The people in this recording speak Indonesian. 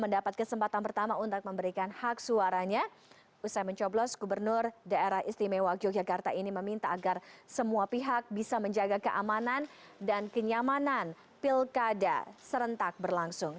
dan hak suaranya usai mencoblos gubernur daerah istimewa yogyakarta ini meminta agar semua pihak bisa menjaga keamanan dan kenyamanan pilkada serentak berlangsung